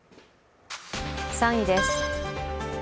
３位です。